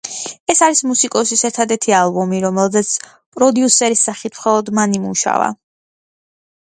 ეს არის მუსიკოსის ერთადერთი ალბომი, რომელზეც პროდიუსერის სახით მხოლოდ მან იმუშავა.